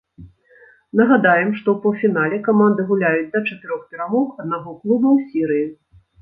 Нагадаем, што ў паўфінале каманды гуляюць да чатырох перамог аднаго клуба ў серыі.